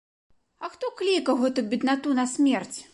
А хто клікаў гэту беднату на смерць?